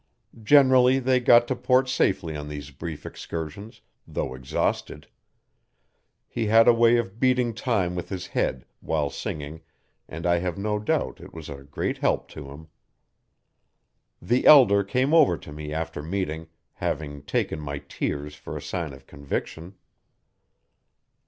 Generally they got to port safely on these brief excursions, though exhausted. He had a way of beating time with his head while singing and I have no doubt it was a great help to him. The elder came over to me after meeting, having taken my tears for a sign of conviction.